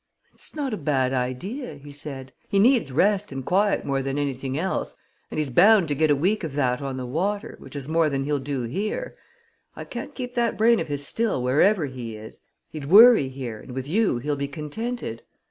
"It's not a bad idea," he said. "He needs rest and quiet more than anything else, and he's bound to get a week of that on the water, which is more than he'll do here. I can't keep that brain of his still, wherever he is. He'd worry here, and with you he'll be contented.